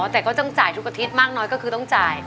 แต่ก็ต้องจ่ายทุกอาทิตย์มากน้อยก็คือต้องจ่าย